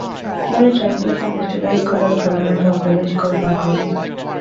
many translations utilize scholars from a number of theological backgrounds